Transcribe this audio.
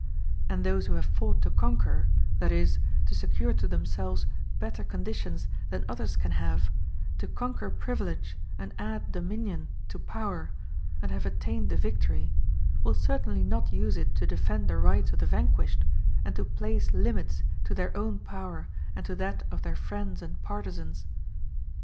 And those who have fought to conquer, that is, to secure to themselves better conditions than others can have, to conquer privilege and add dominion to power, and have attained the victory, will certainly not use it to defend the rights of the vanquished, and to place limits to their own power and to that of their friends and partizans.